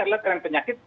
adalah tren penyakit